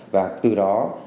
và từ đó